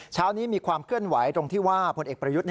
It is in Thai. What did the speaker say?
เช้านี้มีความเคลื่อนไหวตรงที่ว่าผลเอกประยุทธ์